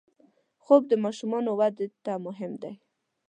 خوب د ماشومانو وده ته مهم دی